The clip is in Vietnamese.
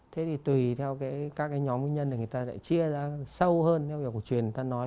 thế thì tùy theo các cái nhóm nguyên nhân thì người ta lại chia ra sâu hơn theo kiểu của truyền người ta nói